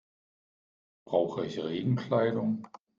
Brauche ich Regenkleidung?